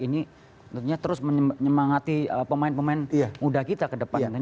ini tentunya terus menyemangati pemain pemain muda kita ke depan